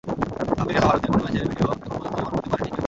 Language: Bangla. সাফে খেলা ভারতের কোনো ম্যাচের ভিডিও এখন পর্যন্ত জোগাড় করতে পারেননি কোচ।